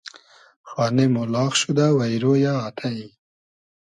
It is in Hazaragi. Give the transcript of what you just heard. خانې مۉ لاغ شودۂ وݷرۉ یۂ آتݷ